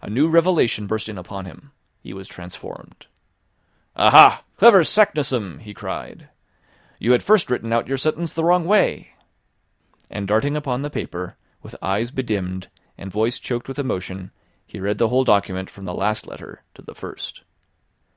A new revelation burst in upon him. He was transformed! "Aha, clever Saknussemm!" he cried. "You had first written out your sentence the wrong way." And darting upon the paper, with eyes bedimmed, and voice choked with emotion, he read the whole document from the last letter to the first.